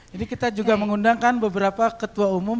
kita juga mengundangkan beberapa ketua umum